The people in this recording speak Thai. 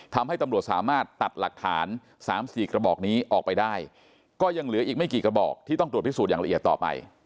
ทำให้ตำรวจสามารถตัดหลักฐาน๓๔กระบอกนี้ออกไปได้ก็ยังเหลืออีกไม่กี่กระบอกที่ต้องตรวจพิสูจน์อย่างละเอียดต่อไป